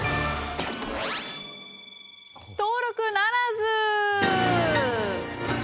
登録ならず。